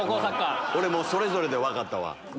俺「それぞれ」で分かったわ。